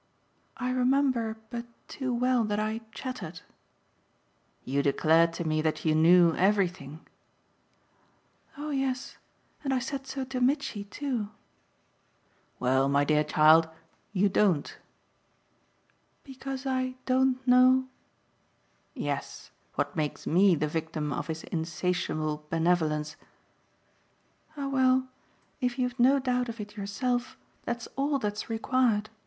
"I remember but too well that I chattered." "You declared to me that you knew everything." "Oh yes and I said so to Mitchy too." "Well, my dear child, you don't." "Because I don't know ?" "Yes, what makes ME the victim of his insatiable benevolence." "Ah well, if you've no doubt of it yourself that's all that's required.